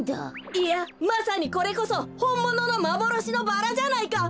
いやまさにこれこそほんもののまぼろしのバラじゃないか！